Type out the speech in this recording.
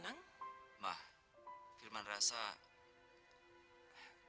tunggu sebentar bang